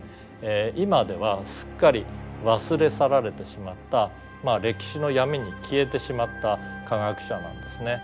今ではすっかり忘れ去られてしまった歴史の闇に消えてしまった科学者なんですね。